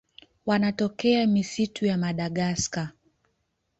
Wanatokea misitu ya Madagaska.